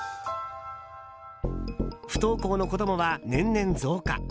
不登校の子供は年々増加。